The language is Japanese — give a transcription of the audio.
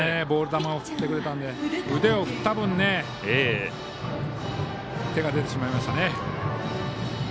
ボール球を振ってくれたので腕を振った分手が出てしまいましたね。